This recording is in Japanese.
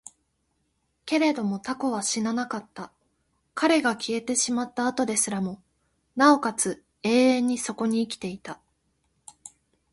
けれども蛸は死ななかった。彼が消えてしまった後ですらも、尚且つ永遠にそこに生きていた。